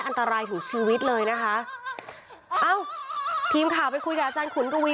อันตรายถึงชีวิตเลยนะคะเอ้าทีมข่าวไปคุยกับอาจารย์ขุนกวี